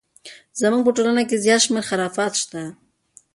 زموږ په ټولنه کې زیات شمیر خرافات شته!